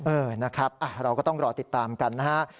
เออนะครับเราก็ต้องรอติดตามกันนะฮะ